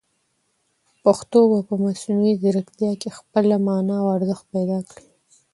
پښتو به په مصنوعي ځیرکتیا کې خپله مانا او ارزښت پیدا کړي.